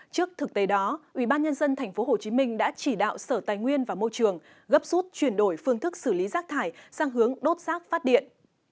trước thực tế đó ubnd tp hcm đã chỉ đạo sở tài nguyên và môi trường gấp rút chuyển đổi phương thức xử lý rác thải sang hướng đốt rác phát điện